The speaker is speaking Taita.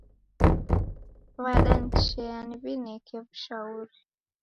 W'adanichea niw'ineke w'ushauri